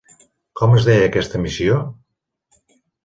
Com es deia aquesta missió?